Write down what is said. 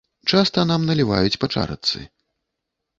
Часта нам наліваюць па чарачцы.